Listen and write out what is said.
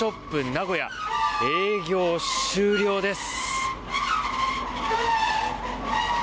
名古屋営業、終了です。